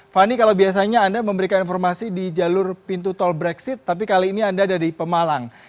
fani kalau biasanya anda memberikan informasi di jalur pintu tol brexit tapi kali ini anda ada di pemalang